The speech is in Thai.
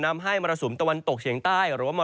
ทำให้มรสุมตะวันตกเฉียงใต้หรือว่ามอ